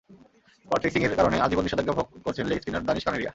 Spot ফিক্সিংয়ের কারণে আজীবন নিষেধাজ্ঞা ভোগ করছেন লেগ স্পিনার দানিশ কানেরিয়া।